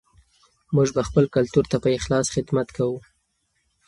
موږ به خپل کلتور ته په اخلاص خدمت کوو.